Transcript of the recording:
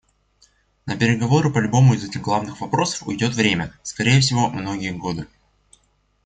На переговоры по любому из этих главных вопросов уйдет время — скорее всего, многие годы.